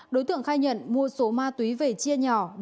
đối tượng khai nhận mua số ma túy về chia nhỏ